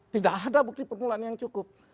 tidak ada bukti permulaan yang cukup